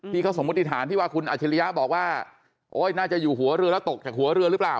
ที่เขาสมมุติฐานที่ว่าคุณอาชิริยะบอกว่าโอ๊ยน่าจะอยู่หัวเรือแล้วตกจากหัวเรือหรือเปล่า